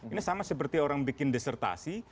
ini sama seperti orang bikin desertasi